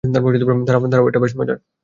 দাঁড়াও, এটা বেশ মজার।